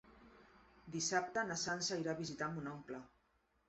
Dissabte na Sança irà a visitar mon oncle.